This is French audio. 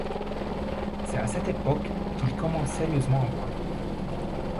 C’est à cette époque qu’il commence sérieusement à boire.